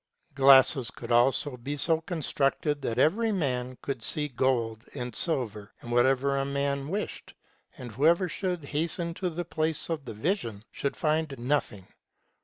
Glasses could also be so constructed that every man could see gold, and silver, and whatever a man wished ; and whoever should hasten to the place of the vision should find nothing.